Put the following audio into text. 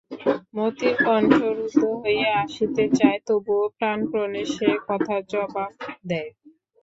মতির কণ্ঠ রুদ্ধ হইয়া আসিতে চায়, তবু প্রাণপণে সে কথার জবাব দেয়।